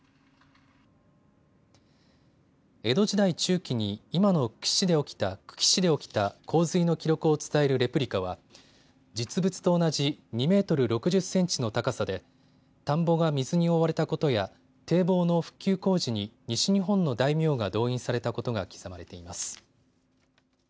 江戸時代中期に今の久喜市で起きた洪水の記録を伝えるレプリカは実物と同じ２メートル６０センチの高さで、田んぼが水に覆われたことや堤防の復旧工事に西日本の大名が動員されたことが刻まれています。